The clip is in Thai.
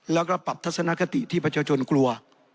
แล้วก็ปรับทัศนคติที่ประชาชนกลัว